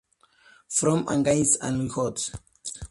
From Against All Gods.